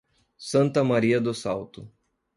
Santa Maria do Salto